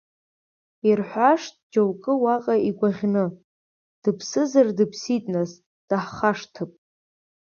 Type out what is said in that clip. Ирҳәашт џьоукгьы уаҟа игәаӷьны, дыԥсызар дыԥсит нас, даҳхашҭып.